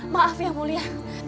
maaf yang mulia